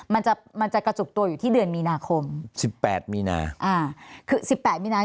มันจะมันจะกระจุกตัวอยู่ที่เดือนมีนาคมสิบแปดมีนาอ่าคือสิบแปดมีนา